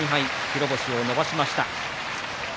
白星を伸ばしました。